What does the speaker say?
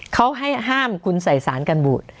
เขาให้ห้ามคุณใส่สารกันบูด